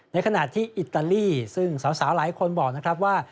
ในขณะที่อิตาลีซึ่งสาวหลายคนบอกนะครับว่า